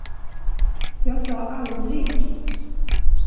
Jag sa aldrig!